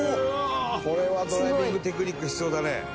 「これはドライビングテクニック必要だね」